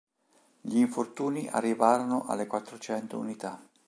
Gli infortuni arrivarono alle quattrocento unità.